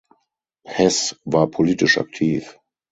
Heß war politisch aktiv.